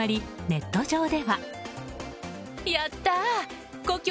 ネット上では。